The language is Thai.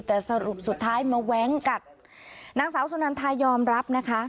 แต่สรุปสุดท้ายมาแว้งกัดนางสาวสุนันทายอมรับนะคะ